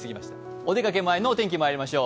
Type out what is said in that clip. お出かけ前のお天気まいりましょう。